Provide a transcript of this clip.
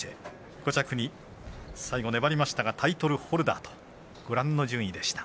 ５着に最後、粘りましたがタイトルホルダーとご覧の順位でした。